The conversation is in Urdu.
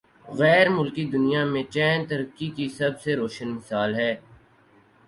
غیر مسلم دنیا میں چین ترقی کی سب سے روشن مثال ہے۔